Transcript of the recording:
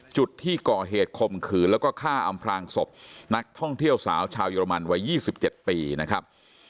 จุดที่ก่อเหตุคมขืนแล้วก็ฆ่าอำพลางศพนักท่องเที่ยวสาวชาวเยอรมันวัย๒๗ปีนะครับ